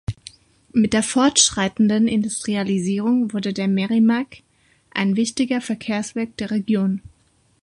Mit der fortschreitenden Industrialisierung wurde der Merrimack ein wichtiger Verkehrsweg der Region.